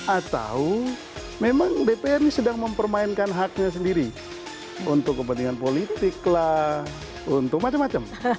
atau memang dpr ini sedang mempermainkan haknya sendiri untuk kepentingan politik lah untuk macam macam